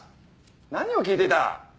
何を聞いていた？